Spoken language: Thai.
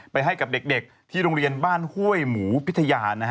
ให้กับเด็กที่โรงเรียนบ้านห้วยหมูพิทยา